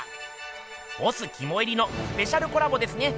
ボスきもいりのスペシャルコラボですね。